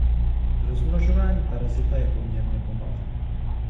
Rozmnožování parazita je poměrně pomalé.